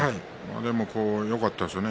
でも、よかったですよね